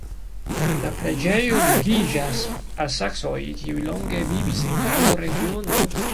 La preĝejo ligiĝas al saksoj, kiuj longe vivis en tiu regiono.